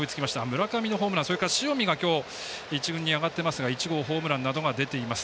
村上のホームランそれから塩見が今日１軍に上がってますが１号ホームランなどが出ています。